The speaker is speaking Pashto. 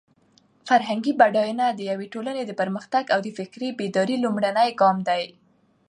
فرهنګي بډاینه د یوې ټولنې د پرمختګ او د فکري بیدارۍ لومړنی ګام دی.